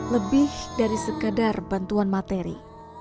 lebih dari sekadar bantuan materi